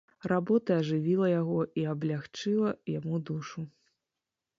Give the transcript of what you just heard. Работа ажывіла яго і аблягчыла яму душу.